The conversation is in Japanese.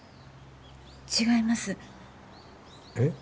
違いますえっ？